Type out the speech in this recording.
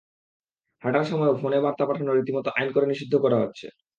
হাঁটার সময় ফোনে বার্তা পাঠানো রীতিমতো আইন করে নিষিদ্ধ করা হচ্ছে।